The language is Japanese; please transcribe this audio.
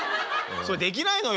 それできないのよ